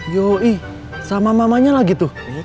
yoi sama mamanya lagi tuh